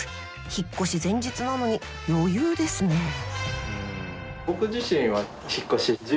引っ越し前日なのに余裕ですねえ。